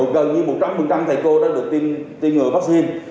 gần như một trăm linh thầy cô đã được tiêm ngừa vaccine